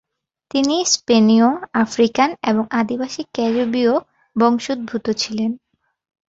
তিনি স্পেনীয়, আফ্রিকান এবং আদিবাসী ক্যারিবীয় বংশোদ্ভূত ছিলেন।